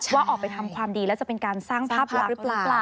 ว่าออกไปทำความดีแล้วจะเป็นการสร้างภาพลับหรือเปล่า